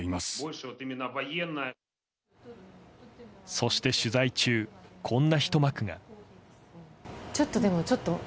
そして、取材中こんなひと幕が。